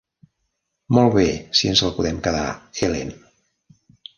Molt bé, si ens el podem quedar, Ellen.